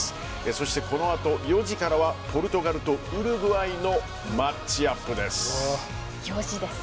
そして、この後４時からはポルトガルとウルグアイのマッチアップです。